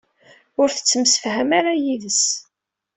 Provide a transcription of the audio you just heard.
Ur tettemsefham ara yid-s?